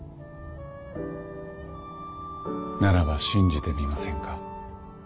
ならば信じてみませんか？